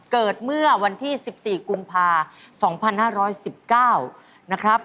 เกิดเมื่อวันที่๑๔กุมภา๒๕๑๙นะครับ